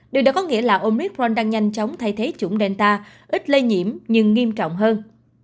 điều đó có nghĩa là ông micron đang nhanh chóng thay thế chủng delta ít lây nhiễm nhưng nghiêm trọng hơn